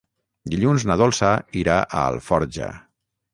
Dilluns na Dolça irà a Alforja.